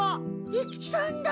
利吉さんだ。